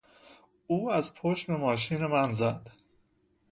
او از پشت به ماشین من زد.